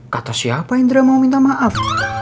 kata siapa indra mau minta maaf